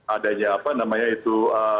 adanya apa namanya itu